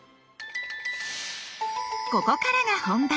ここからが本番！